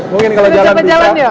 mungkin kalau jalan bisa